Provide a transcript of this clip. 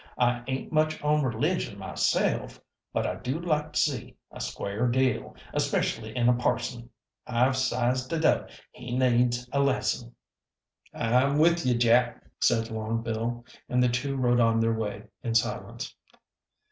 I ain't much on religion myself, but I do like to see a square deal, especially in a parson. I've sized it up he needs a lesson." "I'm with ye, Jap," said Long Bill, and the two rode on their way in silence.